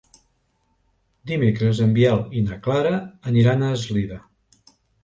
Dimecres en Biel i na Clara aniran a Eslida.